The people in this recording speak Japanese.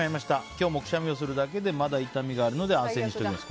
今日もくしゃみをするだけでまだ痛みがあるので安静にしておきます。